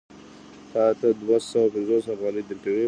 تا ته دوه سوه پنځوس افغانۍ درکوي